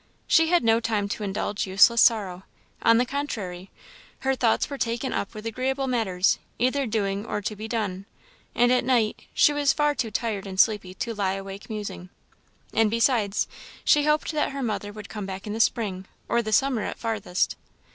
She had no time to indulge useless sorrow; on the contrary, her thoughts were taken up with agreeable matters, either doing or to be done; and at night, she was far too tired and sleepy to lie awake musing. And besides she hoped that her mother would come back in the spring, or the summer at farthest.